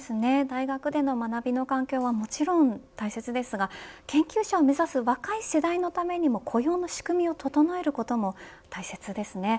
大学での学びの環境はもちろん大切ですが研究者を目指す若い世代のためにも、雇用の仕組みを整えることも大切ですね。